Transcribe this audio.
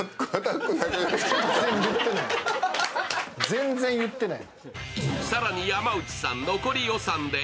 全然言ってない。